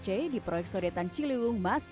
kami belum ketahuan kita akan menerima malam di mana tadi